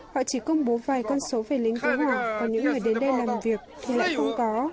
họ chỉ công bố vài con số về lính cứu hỏa còn những người đến đây làm việc thì lại không có